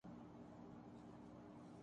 لڑھکتا ہوا دور جا گرا